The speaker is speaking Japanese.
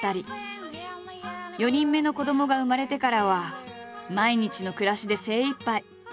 ４人目の子どもが生まれてからは毎日の暮らしで精いっぱい。